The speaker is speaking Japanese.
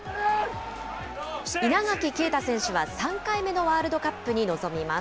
稲垣啓太選手は３回目のワールドカップに臨みます。